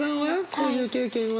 こういう経験は？